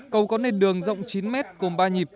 cầu có nền đường rộng chín mét gồm ba nhịp